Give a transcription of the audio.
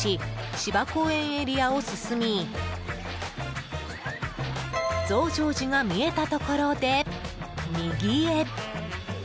芝公園エリアを進み増上寺が見えたところで、右へ。